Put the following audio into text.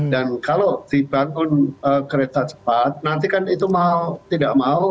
dan kalau dibangun kereta cepat nanti kan itu mahal tidak mahal